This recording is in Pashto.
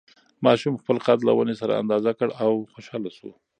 ماشوم خپل قد له ونې سره اندازه کړ او خوشحاله شو.